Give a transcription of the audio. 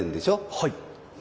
はい。